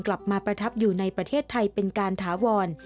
ประทับอยู่ในประเทศไทยเป็นการถาวร